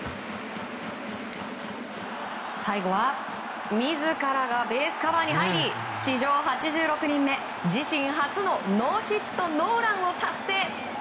最後は、自らがベースカバーに入り史上８６人目、自身初のノーヒットノーランを達成。